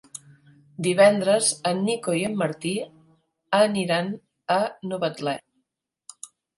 Divendres en Nico i en Martí iran a Novetlè.